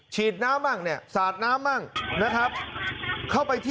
ฉีดน้ำบ้างเนี่ยสาดน้ำบ้างนะครับเข้าไปที่